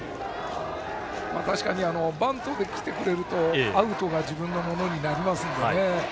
確かにバントできてくれるとアウトが自分のものになりますんで。